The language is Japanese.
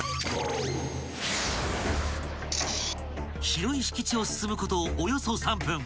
［広い敷地を進むことおよそ３分］